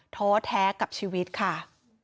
ท้อแท้กับชีวิตค่ะ